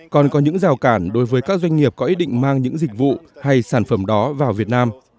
còn có những rào cản đối với các doanh nghiệp có ý định mang những dịch vụ hay sản phẩm đó vào việt nam